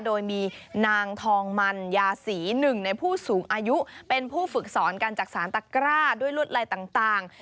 โดยมีนางทองมันยาศรีหนึ่งในผู้สูงอายุเป็นผู้ฝึกสอนกันจากสารตะกร้าด้วยลวดลายต่าง